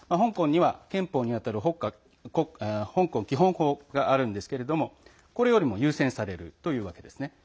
憲法に当たる香港基本法があるんですけどもこれよりも優先されるというわけなんです。